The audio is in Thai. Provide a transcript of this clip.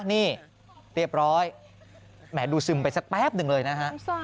นี่เรียบร้อยแหมดูซึมไปสักแป๊บหนึ่งเลยนะฮะ